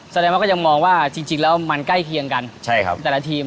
แสดงมันก็จะมองว่าจริงแล้วมันใกล้เคียงกันตลอดแทนทีม